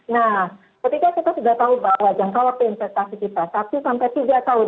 nah ketika kita sudah tahu bahwa jangka waktu investasi kita satu sampai tiga tahun